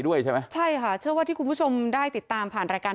ด้วยใช่ไหมใช่ค่ะเชื่อว่าที่คุณผู้ชมได้ติดตามผ่านรายการ